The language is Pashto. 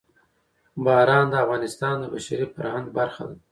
باران د افغانستان د بشري فرهنګ برخه ده.